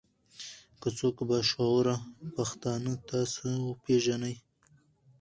کۀ څوک با شعوره پښتانۀ تاسو پېژنئ